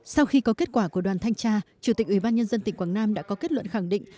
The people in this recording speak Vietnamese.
sau khi có kết quả của đoàn thanh tra chủ tịch ủy ban nhân dân tỉnh quảng nam đã có kết luận khẳng định